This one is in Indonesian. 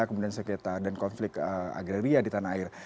kemudian sekitar dan konflik agraria di tanah air